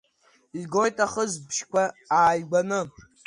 Игоит ахысбжьқәа ааигәаны.